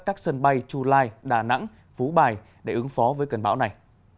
các sân bay chu lai đà nẵng phú bài để ứng phó với cơn bão này